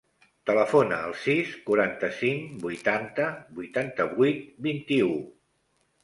Telefona al sis, quaranta-cinc, vuitanta, vuitanta-vuit, vint-i-u.